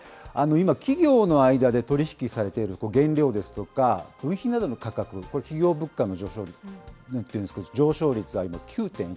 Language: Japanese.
今、企業の間で取り引きされている原料ですとか部品などの価格、これ、企業物価の上昇になってるんですけど、上昇率は９．１％。